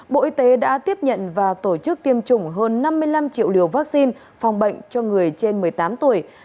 bộ y tế đã tiếp nhận và tổ chức tiêm chủng hơn năm mươi năm triệu liều vaccine phòng bệnh cho người trên một mươi tám tuổi